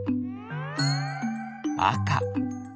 あか。